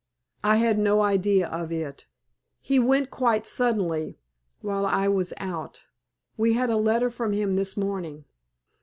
"I had no idea of it. He went quite suddenly while I was out. We had a letter from him this morning.